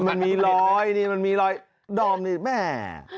มันมีรอยนี่มันมีรอยดอมนี่แม่